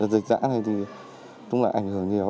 dịch giãn này cũng là ảnh hưởng nhiều